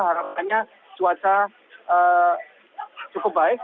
harapannya cuaca cukup baik